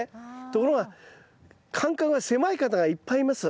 ところが間隔が狭い方がいっぱいいます。